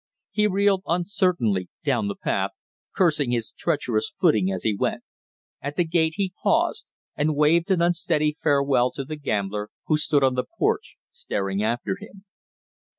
He reeled uncertainly down the path, cursing his treacherous footing as he went. At the gate he paused and waved an unsteady farewell to the gambler, who stood on the porch staring after him.